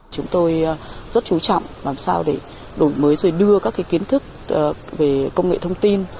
chúng tôi rất chú trọng làm sao để đổi mới rồi đưa các kiến thức về công nghệ thông tin